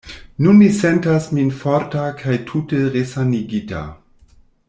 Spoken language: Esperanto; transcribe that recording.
Nun mi sentas min forta kaj tute resanigita.